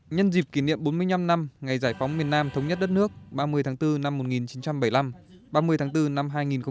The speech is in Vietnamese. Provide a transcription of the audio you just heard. nhân dịp kỷ niệm bốn mươi năm năm ngày giải phóng miền nam thống nhất đất nước ba mươi tháng bốn năm một nghìn chín trăm bảy mươi năm ba mươi tháng bốn năm hai nghìn hai mươi